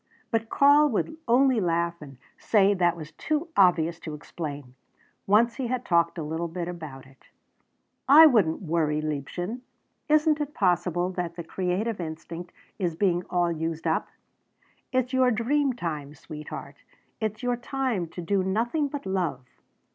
But Karl would only laugh, and say that was too obvious to explain. Once he had talked a little about it. "I wouldn't worry, liebchen. Isn't it possible that the creative instinct is being all used up? It's your dream time, sweetheart. It's your time to do nothing but love.